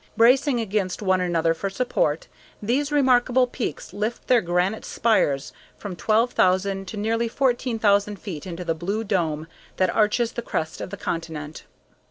Bracing against one another for support, these remarkable peaks lift their granite spires from 12,000 to nearly 14,000 feet into the blue dome that arches the crest of the continent.